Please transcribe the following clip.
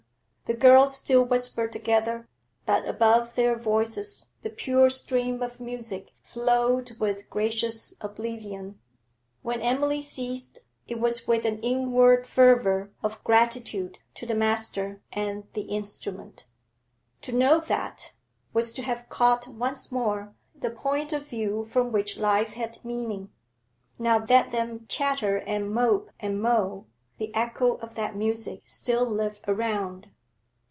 The girls still whispered together, but above their voices the pure stream of music flowed with gracious oblivion. When Emily ceased, it was with an inward fervour of gratitude to the master and the instrument, To know that, was to have caught once more the point of view from which life had meaning. Now let them chatter and mop and mow; the echo of that music still lived around.